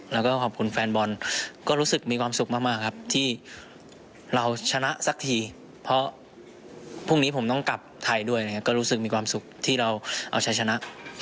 แล้วก็ขอบคุณแฟนบอลก็รู้สึกมีความสุขมากครับที่เราชนะสักทีเพราะพรุ่งนี้ผมต้องกลับไทยด้วยนะครับก็รู้สึกมีความสุขที่เราเอาชัยชนะ